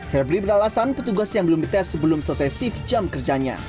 febri beralasan petugas yang belum dites sebelum selesai shift jam kerjanya